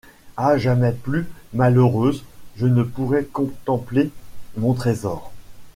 Ah, jamais plus, malheureuse, je ne pourrai contempler mon trésor!